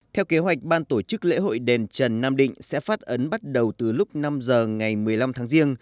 theo kế hoạch ban tổ chức lễ hội đền trần nam định sẽ phát ấn bắt đầu từ lúc năm giờ ngày một mươi năm tháng riêng